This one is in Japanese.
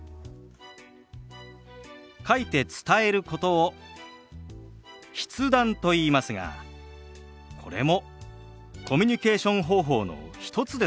書いて伝えることを「筆談」といいますがこれもコミュニケーション方法の一つですから。